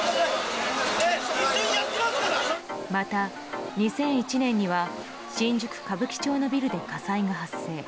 また、２００１年には新宿・歌舞伎町のビルで火災が発生。